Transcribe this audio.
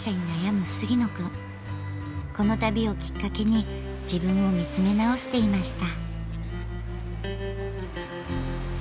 この旅をきっかけに自分を見つめ直していました。